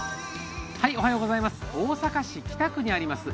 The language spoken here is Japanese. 大阪市北区にあります